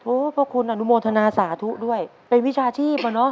เพราะคุณอนุโมทนาสาธุด้วยเป็นวิชาชีพอะเนาะ